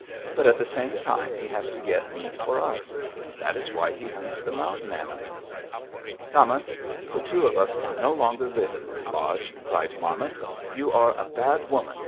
But at the same time he has to get meat for us: that is why he hunts the mountain animals.' "'Camas, the two of us can no longer live in this lodge,' cried Marmot. 'You are a bad woman!